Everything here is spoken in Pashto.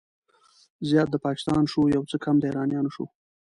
زيات د پاکستان شو، يو څه کم د ايرانيانو شو